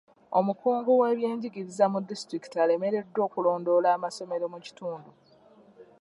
Omukungu w'ebyenjigiriza mu disitulikiti alemereddwa okulondoola amasomero mu kitundu.